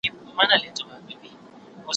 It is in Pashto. نه يوه له بله ځان سو خلاصولاى